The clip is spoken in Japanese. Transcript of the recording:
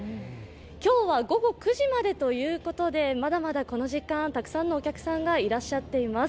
今日は午後９時までということでまだまだこの時間、たくさんのお客さんがいらっしゃっています。